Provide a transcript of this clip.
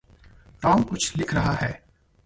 Tom कुछ लिख रहा है।